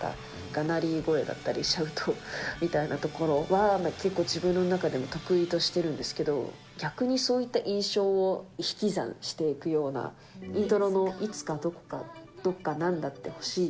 がなり声だったり、シャウトみたいなところは結構自分の中でも得意としてるんですけど、逆にそういった印象を引き算していくようなイントロの、いつか、どこか、何だって欲しい＃